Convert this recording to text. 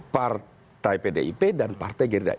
partai pdip dan partai gerindra